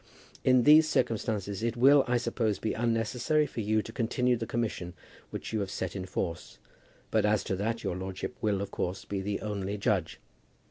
In these circumstances, it will, I suppose, be unnecessary for you to continue the commission which you have set in force; but as to that, your lordship will, of course, be the only judge.